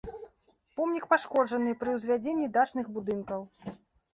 Помнік пашкоджаны пры ўзвядзенні дачных будынкаў.